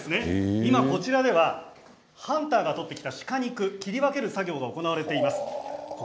今こちらではハンターが取ってきた鹿肉を切り分ける作業が行われています。